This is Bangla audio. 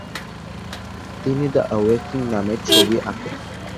তিনি দ্য অ্যাওয়েকেনিং নামে একটি ছবি আঁকেন।